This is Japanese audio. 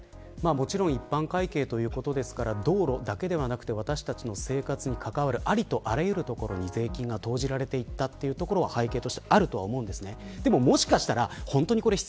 もちろん一般会計ということですから道路だけではなく私たちの生活に関わるありとあらゆる所に税金が投じられていたところは背景としてあるとは思うんです。